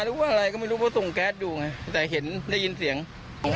ไม่รู้ว่าอะไรก็ไม่รู้ว่าส่งแก๊สดูไงแต่เห็นได้ยินเสียง